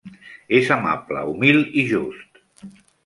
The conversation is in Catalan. És amable, humil i just.